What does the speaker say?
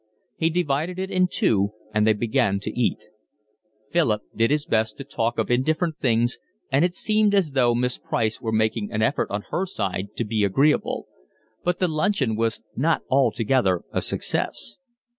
He divided it in two and they began to eat. Philip did his best to talk of indifferent things, and it seemed as though Miss Price were making an effort on her side to be agreeable; but the luncheon was not altogether a success.